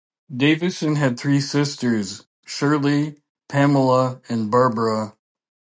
Davison had three sisters: Shirley, Pamela and Barbara.